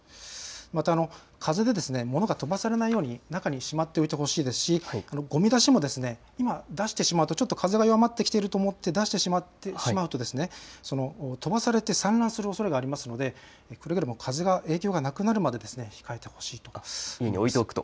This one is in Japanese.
また風で物が飛ばされないように中にしまっておいてほしいですしごみ出しも今、出してしまうと風が弱まってきていると思って出してしまうと飛ばされて散乱するおそれがあるので、くれぐれも風の影響がなくなるまで控えてほしいと思います。